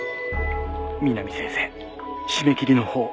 ☎☎美南先生締め切りの方